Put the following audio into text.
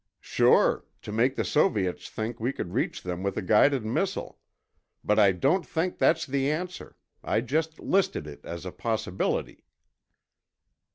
"Sure, to make the Soviets think we could reach them with a guided missile. But I don't think that's the answer—I just listed it as a possibility."